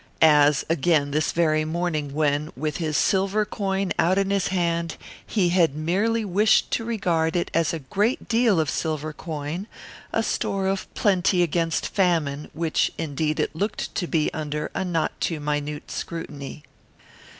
As, again, this very morning when, with his silver coin out in his hand, he had merely wished to regard it as a great deal of silver coin, a store of plenty against famine, which indeed it looked to be under a not too minute scrutiny.